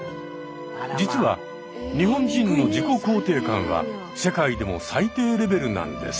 実は日本人の自己肯定感は世界でも最低レベルなんです。